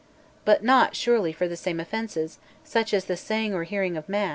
But not, surely, for the same offences, such as "the saying or hearing of Mass"?